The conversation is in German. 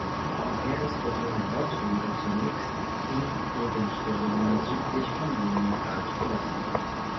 Die Heeresgruppe Nord wurde zunächst in ihren Stellungen südlich von Leningrad belassen.